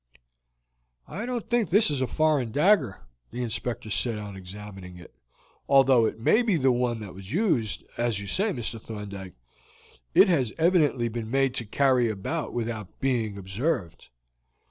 "I don't think this is a foreign dagger," the Inspector said on examining it, "although it may be the one that was used, as you say, Mr. Thorndyke. It has evidently been made to carry about without being observed."